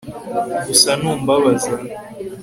gusa ntumbabaza